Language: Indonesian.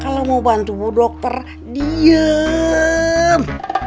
kalau mau bantu bu dokter diem